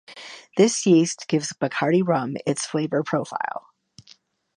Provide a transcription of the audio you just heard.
This yeast gives Bacardi rum its flavour profile.